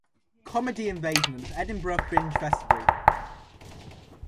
Comedy Invasion at the Edinburgh Fringe Festival.